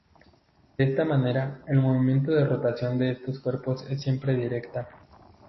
De esta manera, el movimiento de rotación de estos cuerpos es siempre directa.